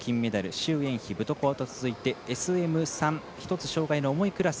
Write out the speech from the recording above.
周艶菲、ブトコワと続いてＳＭ３１つ障がいの重いクラス